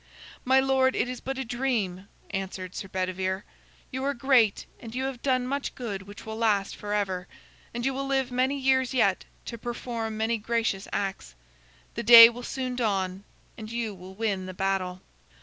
"My lord, it is but a dream," answered Sir Bedivere. "You are great; you have done much good which will last forever, and you will live many years yet to perform many gracious acts. The day will soon dawn, and you will win the battle."